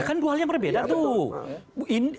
kan dua hal yang berbeda tuh